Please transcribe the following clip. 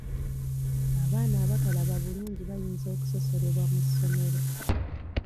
Abaana abatalaba bulungi bayinza okusosolebwa mu ssomero.